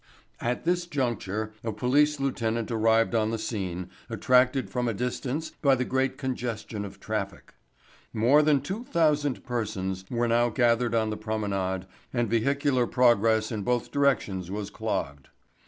At this juncture a police lieutenant arrived on the scene, attracted from a distance by the great congestion of traffic. More than two thousand persons were now gathered on the promenade and vehicular progress in both directions was clogged.